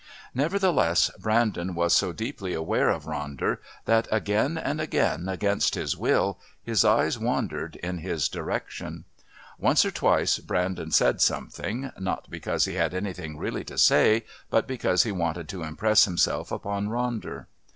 Nevertheless, Brandon was so deeply aware of Ronder that again and again, against his will, his eyes wandered in his direction. Once or twice Brandon said something, not because he had anything really to say, but because he wanted to impress himself upon Ronder.